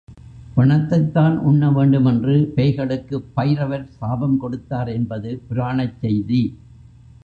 பிணத்தைத்தான் உண்ண வேண்டுமென்று பேய்களுக்குப் பைரவர் சாபம் கொடுத்தார் என்பது புராணச் செய்தி.